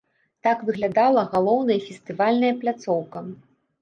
Так выглядала галоўная фестывальная пляцоўка.